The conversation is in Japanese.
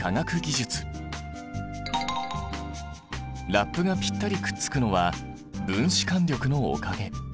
ラップがぴったりくっつくのは分子間力のおかげ。